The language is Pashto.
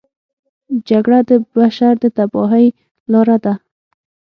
جګړه د بشر د تباهۍ لاره ده